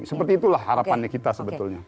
seperti itulah harapannya kita sebetulnya